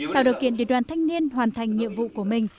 tạo điều kiện để đoàn thanh niên hoàn thành nhiệm vụ của mình